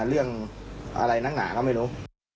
เรื่องอะไรนักหนาก็ไม่รู้